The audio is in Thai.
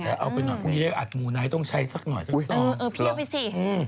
แต่เอาไปหน่อยพรุ่งนี้ได้อัดมูไนท์ต้องใช้สักหน่อยสักทีเออเพี้ยวไปสิอืม